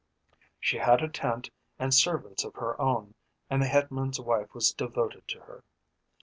She had a tent and servants of her own, and the headman's wife was devoted to her.